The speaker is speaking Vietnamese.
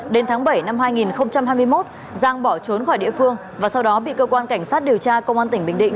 đến tháng bảy năm hai nghìn hai mươi một giang bỏ trốn khỏi địa phương và sau đó bị cơ quan cảnh sát điều tra công an tỉnh bình định